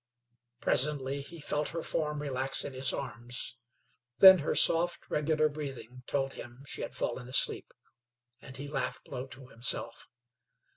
Presently he felt her form relax in his arms; then her soft regular breathing told him she had fallen asleep and he laughed low to himself.